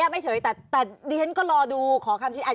ไม่เฉยแต่ทีนี้ก็รอดูขอคำชี้แจง